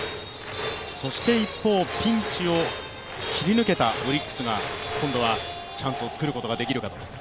一方ピンチを切り抜けたオリックスが、今度はチャンスを作ることができるかと。